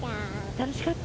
楽しかった。